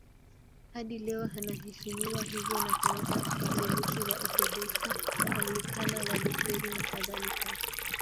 Hadi leo anaheshimiwa hivyo na Kanisa Katoliki, Waorthodoksi, Waanglikana, Walutheri nakadhalika.